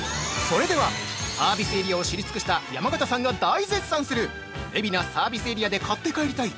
◆それでは、サービスエリアを知り尽くした山形さんが大絶賛する、海老名サービスエリアで買って帰りたい！